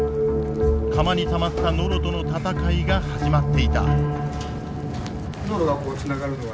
釜にたまったノロとの戦いが始まっていた。